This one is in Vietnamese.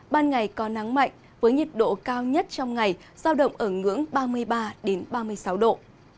ban ngày có nắng mạnh với nhiệt độ cao nhất trong ngày giao động ở ngưỡng ba mươi ba ba mươi sáu độ